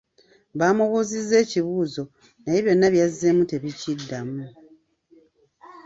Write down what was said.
Bamubuuzizza ekibuuzo naye byonna byazzeemu tebikiddamu.